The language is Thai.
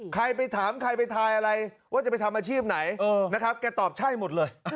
ใครไปถามใครไปทายอะไรว่าจะไปทำอาชีพไหนนะครับแกตอบใช่หมดเลย